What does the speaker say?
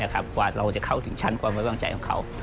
กว่าเราจะเข้าถึงชั้นความไว้วางใจของเขา